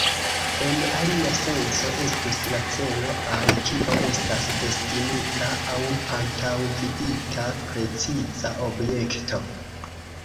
En alia senco estus la celo al kio estas destinita aŭ antaŭvidita preciza objekto.